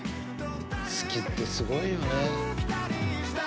好きってすごいよね。